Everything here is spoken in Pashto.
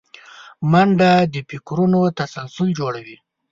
منډه د فکرونو تسلسل جوړوي